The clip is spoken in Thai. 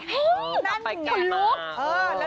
หลับไปใกล้มา